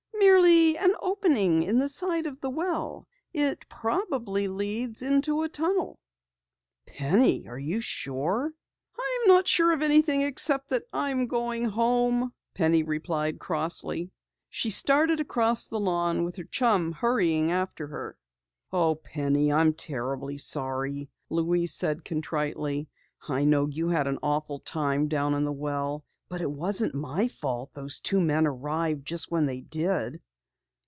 "Merely an opening in the side of the well. It probably leads into a tunnel." "Penny! Are you sure?" "I'm not sure of anything except that I'm going home!" Penny replied crossly. She started across the lawn with her chum hurrying after her. "Oh, Penny, I'm terribly sorry," Louise said contritely. "I know you had an awful time down in the well. But it wasn't my fault those two men arrived just when they did."